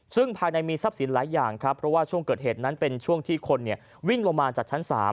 ซึ่งภายในมีทรัพย์สินหลายอย่างครับเพราะว่าช่วงเกิดเหตุนั้นเป็นช่วงที่คนวิ่งลงมาจากชั้น๓